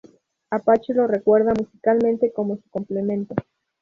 Apache lo recuerda musicalmente como su complemento.